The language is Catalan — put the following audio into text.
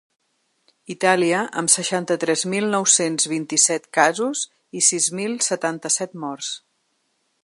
Itàlia, amb seixanta-tres mil nou-cents vint-i-set casos i sis mil setanta-set morts.